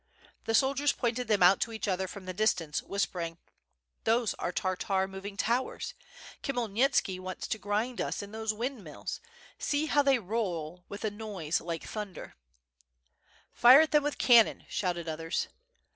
The soldiers pointed them out to each other from the distance, whispering: "Those are Tartar moving towers. Khmyelnitski wants to grind us in those wind mills. See how they roll with a noise like thunder." y26 ^^^^^^^^^^^ SWOJKD. "Fire at them with cannon!'' shouted others.